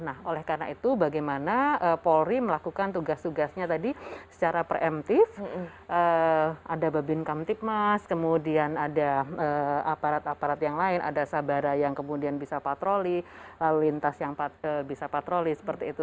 nah oleh karena itu bagaimana polri melakukan tugas tugasnya tadi secara preemptif ada babin kamtipmas kemudian ada aparat aparat yang lain ada sabara yang kemudian bisa patroli lalu lintas yang bisa patroli seperti itu